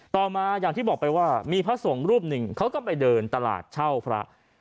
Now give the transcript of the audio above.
ต่อมาอย่างที่บอกไปว่ามีพระสงฆ์รูปหนึ่งเขาก็ไปเดินตลาดเช่าพระ